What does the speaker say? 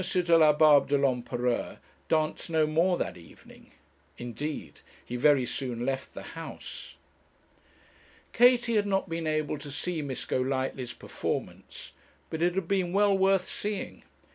Delabarbe de l'Empereur danced no more that evening. Indeed, he very soon left the house. Katie had not been able to see Miss Golightly's performance, but it had been well worth seeing.